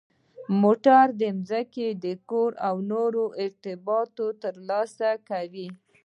ځکه موټر، کور او نورې اړتیاوې ترلاسه کوئ.